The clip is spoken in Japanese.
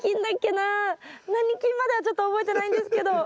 何菌まではちょっと覚えてないんですけど。